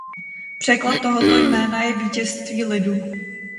Překlad tohoto jména je „vítězství lidu“.